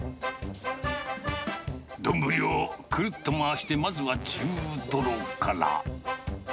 丼をくるっと回してまずは中トロから。